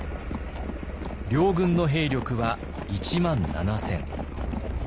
両軍の兵力は１万７千。